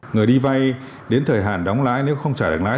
người đi vay đến thời hạn đóng lái nếu không trả được lái